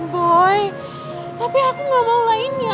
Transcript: boy tapi aku nggak mau lainnya